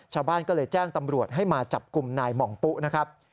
ชาวบ้านก็เลยแจ้งตำรวจให้มาจับกลุ่มนายหม่องปุ๊นะครับ